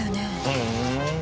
ふん。